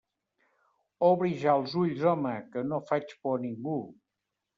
Obri ja els ulls, home, que no faig por a ningú!